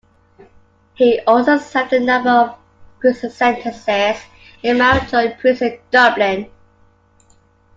He also served a number of prison sentences in Mountjoy Prison, Dublin.